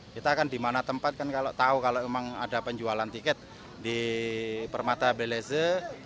kita kan di mana tempat kan kalau tahu kalau memang ada penjualan tiket di permata beleze